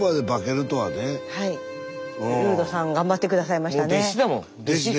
琉人さん頑張って下さいましたね。